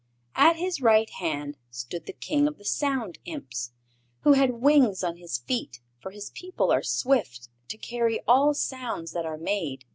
At his right hand stood the King of the Sound Imps, who had wings on his feet, for his people are swift to carry all sounds that are made.